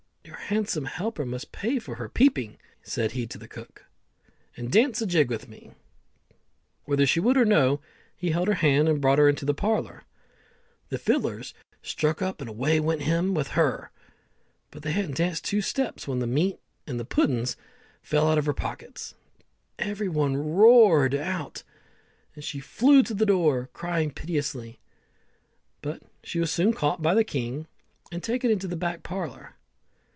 "Your handsome helper must pay for her peeping," said he to the cook, "and dance a jig with me." Whether she would or no, he held her hand and brought her into the parlour. The fiddlers struck up, and away went him with her. But they hadn't danced two steps when the meat and the puddens flew out of her pockets. Every one roared out, and she flew to the door, crying piteously. But she was soon caught by the king, and taken into the back parlour.